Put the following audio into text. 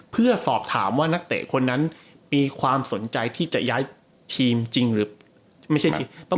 เพื่อสอบถามว่านักเตะคนนั้นมีความสนใจที่จะย้ายทีมจริงหรือไม่ใช่ทีม